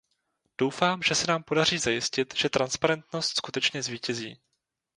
Doufám, že se nám podaří zajistit, že transparentnost skutečně zvítězí.